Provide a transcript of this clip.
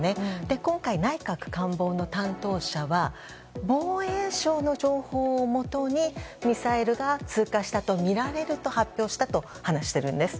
今回、内閣官房の担当者は防衛省の情報をもとにミサイルが通過したとみられると発表したと話しているんです。